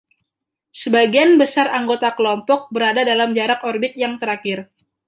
Sebagian besar anggota kelompok berada dalam jarak orbit yang terakhir.